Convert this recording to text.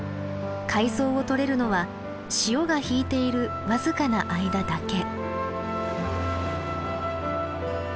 海藻を採れるのは潮が引いている僅かな間だけ。